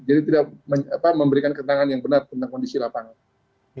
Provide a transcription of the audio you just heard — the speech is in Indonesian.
jadi tidak memberikan keterangan yang benar tentang kondisi lapangan